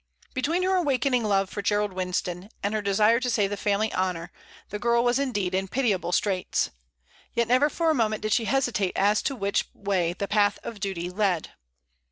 Between her awakening love for Gerald Winston and her desire to save the family honor, the girl was indeed in pitiable straits. Yet never for a moment did she hesitate as to which way the path of duty led.